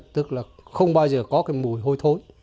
tức là không bao giờ có cái mùi hôi thối